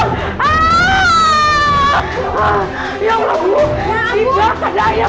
ah kita diserang tak monthly wah daya